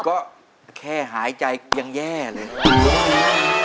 ก็แค่หายใจยังแย่เลย